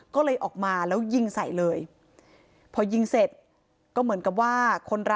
ก็เลยออกมาแล้วยิงใส่เลยพอยิงเสร็จก็เหมือนกับว่าคนร้าย